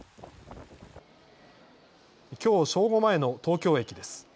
きょう正午前の東京駅です。